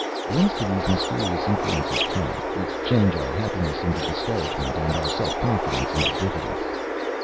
Whence do these mysterious influences come, which change our happiness into discouragement, and our self confidence into diffidence?